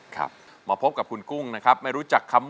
เปลี่ยนเพลงเพลงเก่งของคุณและข้ามผิดได้๑คำ